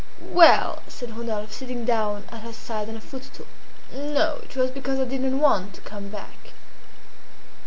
"Well," said Rodolphe, sitting down at her side on a footstool, "no; it was because I did not want to come back."